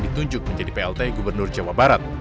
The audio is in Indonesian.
ditunjuk menjadi plt gubernur jawa barat